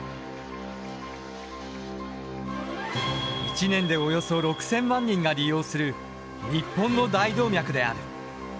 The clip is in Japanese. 一年でおよそ６，０００万人が利用する日本の大動脈である。